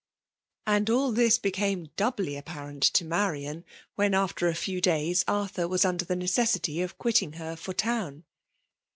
And all this became doubly apparent to Marian, when, after a few days, Arthur was under the necessity of quitting her for town.